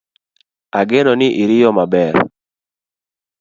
Ageno ni iriyo maber